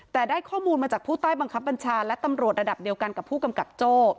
แต่ได้ข้อมูลมาจากผู้ใต้บังคับบัญชาและตำรวจระดับเดียวกันกับผู้กำกับโจ้